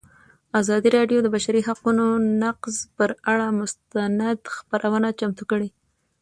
ازادي راډیو د د بشري حقونو نقض پر اړه مستند خپرونه چمتو کړې.